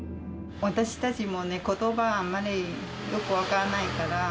私たちもことば、あんまりよく分からないから。